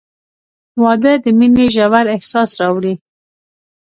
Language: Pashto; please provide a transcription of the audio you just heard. • واده د مینې ژور احساس راوړي.